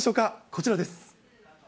こちらです。